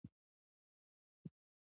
په افغانستان کې بدخشان ډېر اهمیت لري.